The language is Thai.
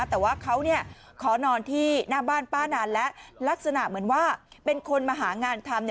แต่ว่าเขาขอนอนที่หน้าบ้านป้านานและลักษณะเหมือนว่าเป็นคนมาหางานทำ